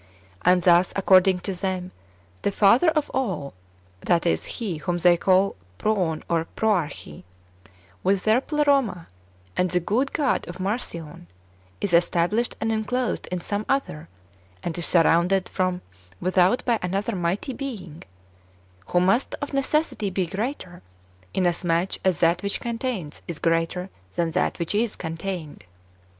And thus, according to them, the Father of all (that is. He whom they call Proon and Proarche), with their Pleroma, and the good God of Marcion, is established and enclosed in some other, and is surrounded from without by another mighty Being, who must of necessity be greater, inasmuch as that wdiich contains is greater than that which is contained.